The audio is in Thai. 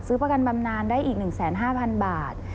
ประกันบำนานได้อีก๑๕๐๐๐บาท